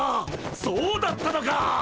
そうだったのか！